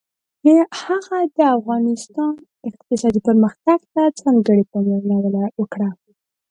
هغه د افغانستان اقتصادي پرمختګ ته ځانګړې پاملرنه وکړه.